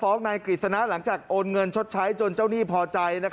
ฟ้องนายกริจชนะหลังจากโอนเงินชดใช้จนเจ้าหนี้พอใจนะครับ